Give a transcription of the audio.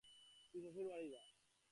তুই শ্বশুরবাড়ি যা।